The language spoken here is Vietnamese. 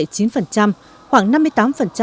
khoảng năm mươi tám người khuyết tật